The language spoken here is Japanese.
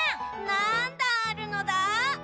なんだんあるのだ？